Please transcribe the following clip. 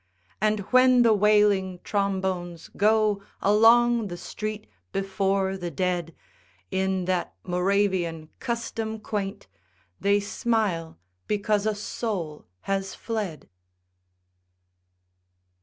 And when the wailing trombones go Along the street before the dead In that Moravian custom quaint, They smile because a soul has fled.